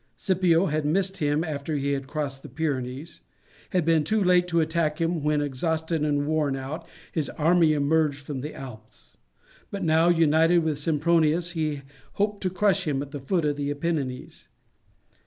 Scipio had missed him after he had crossed the Pyrenees, had been too late to attack him when, exhausted and worn out, his army emerged from the Alps; but now, united with Sempronius, he hoped to crush him at the foot of the Apennines.